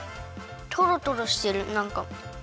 トロトロしてるなんか。